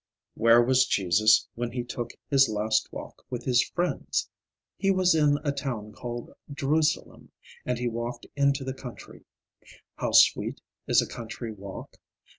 Where was Jesus when he took his last walk with his friends? He was in a town called Jerusalem, and he walked into the country. How sweet is a country walk?